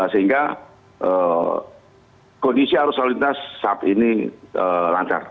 sehingga kondisi arus lalu lintas saat ini lancar